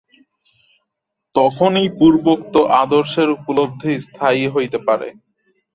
তখনই পূর্বোক্ত আদর্শের উপলব্ধি স্থায়ী হইতে পারে।